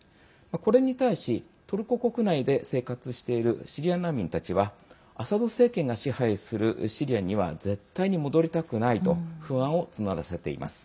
これに対し、トルコ国内で生活しているシリア難民たちはアサド政権が支配するシリアには絶対に戻りたくないと不安を募らせています。